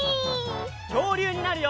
きょうりゅうになるよ！